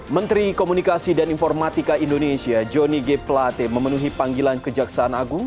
menteri komunikasi dan informatika indonesia joni g pelate memenuhi panggilan kejaksaan agung